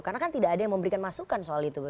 karena kan tidak ada yang memberikan masukan soal itu